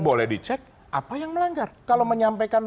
boleh dicek apa yang melanggar kalau menyampaikan